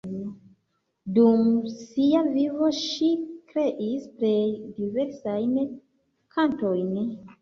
Dum sia vivo ŝi kreis plej diversajn kantojn.